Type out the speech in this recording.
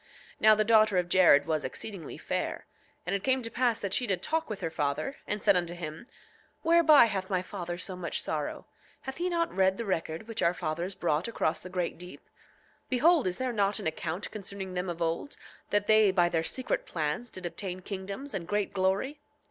8:9 Now the daughter of Jared was exceedingly fair. And it came to pass that she did talk with her father, and said unto him: Whereby hath my father so much sorrow? Hath he not read the record which our fathers brought across the great deep? Behold, is there not an account concerning them of old, that they by their secret plans did obtain kingdoms and great glory?